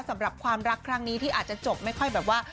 สำหรับความรักครั้งนี้ที่อาจจะจบไม่ค่อยแบบว่า